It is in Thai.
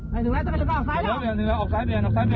ฮ๊าวฮ๊าวฮ๊าว